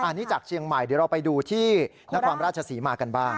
อันนี้จากเชียงใหม่เดี๋ยวเราไปดูที่นครราชศรีมากันบ้าง